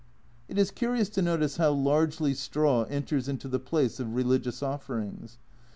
It is curious to notice how largely straw enters into the place of religious offerings.